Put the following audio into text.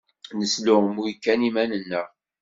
Nesluɣmuy kan iman-nneɣ.